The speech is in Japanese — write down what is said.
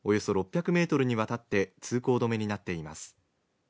およそ６００ｍにわたって通行止めになっています。